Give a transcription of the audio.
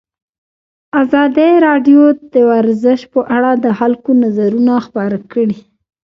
ازادي راډیو د ورزش په اړه د خلکو نظرونه خپاره کړي.